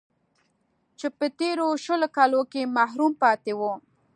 چې په تېرو شل کالو کې محروم پاتې و